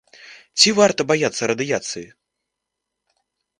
Ці варта баяцца радыяцыі?